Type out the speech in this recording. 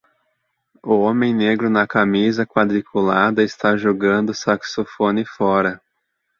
O homem negro na camisa quadriculada está jogando o saxofone fora.